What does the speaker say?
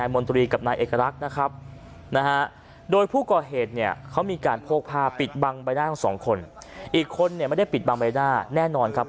ปิดบังใบหน้าของสองคนอีกคนเนี่ยไม่ได้ปิดบังใบหน้าแน่นอนครับ